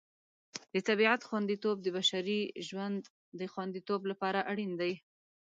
د طبیعت خوندیتوب د بشري ژوند د خوندیتوب لپاره اړین دی.